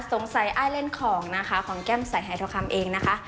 สงสัยอ้ายเล่นของของแก้มใสไฮทอคัมเองนะคะ